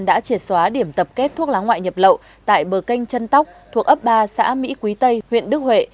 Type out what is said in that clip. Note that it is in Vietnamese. đã triệt xóa điểm tập kết thuốc lá ngoại nhập lậu tại bờ canh chân tóc thuộc ấp ba xã mỹ quý tây huyện đức huệ